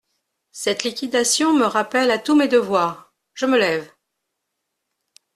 Cette liquidation me rappelle à tous mes devoirs… je me lève…